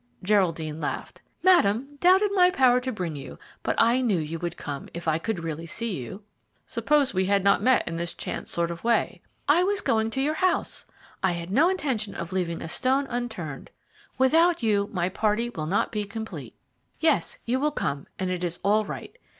Geraldine laughed. "Madame doubted my power to bring you, but I knew you would come, if I could really see you." "Suppose we had not met in this chance sort of way?" "I was going to your house. I had no intention of leaving a stone unturned. Without you my party will not be complete. Yes, you will come, and it is all right.